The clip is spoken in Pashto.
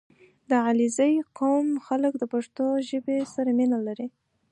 • د علیزي قوم خلک د پښتو ژبې سره مینه لري.